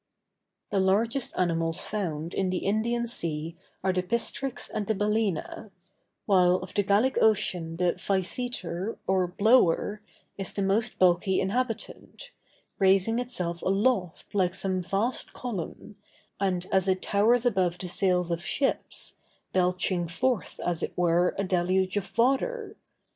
The largest animals found in the Indian Sea are the pistrix and the balæna; while of the Gallic Ocean the physeter, or blower, is the most bulky inhabitant, raising itself aloft like some vast column, and, as it towers above the sails of ships, belching forth, as it were, a deluge of water.